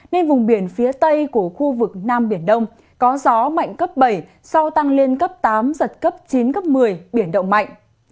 nên vùng biển phía tây của khu vực nam biển đông có gió mạnh cấp bảy sau tăng lên cấp tám giật cấp chín cấp một mươi biển động mạnh